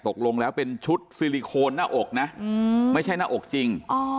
ตกลงแล้วเป็นชุดซิลิโคนหน้าอกนะไม่ใช่หน้าอกจริง